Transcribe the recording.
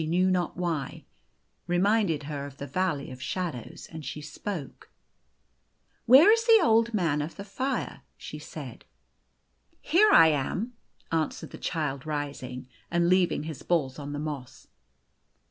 The Golden Key 207 she kuew not why, reminded her of the Valley of Shadows, and she spoke :" Where is the Old Man of the Fire ?" she said. " Here I ain," answered the Child, rising and leaving his balls on the moss.